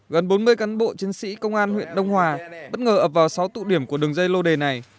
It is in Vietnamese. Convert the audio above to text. gần bốn mươi cán bộ chiến sĩ công an huyện đông hòa bất ngờ ập vào sáu tụ điểm của đường dây lô đề này